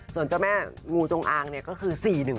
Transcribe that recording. ส่วนเจ้าแม่งูจงอางเนี่ยก็คือ๔๑๘นั่นเอง